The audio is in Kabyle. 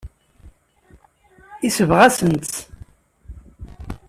Yesbeɣ-asent-tt.